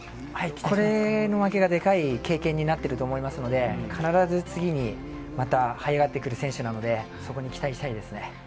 これの負けがでかい経験になっていると思いますので、必ず次にまたはい上がってくる選手なので、そこに期待したいですね。